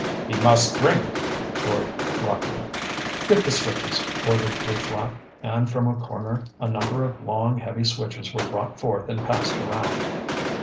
"He must drink!" roared Rockley. "Get the switches!" ordered Lew Flapp, and from a corner a number of long, heavy switches were brought forth and passed around.